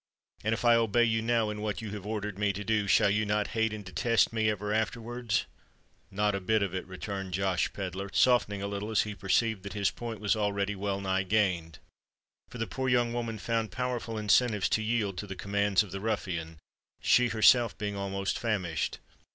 "And if I obey you now, in what you have ordered me to do, shall you not hate and detest me ever afterwards?" "Not a bit of it," returned Josh Pedler, softening a little as he perceived that his point was already well nigh gained: for the poor young woman found powerful incentives to yield to the commands of the ruffian—she herself being almost famished.